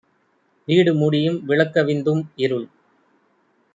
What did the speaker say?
வீடு மூடியும் விளக்கவிந் தும்இருள்